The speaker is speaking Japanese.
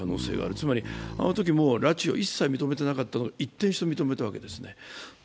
つまりあのときもう拉致を一切認めてなかったのが一転して認めたわけですね。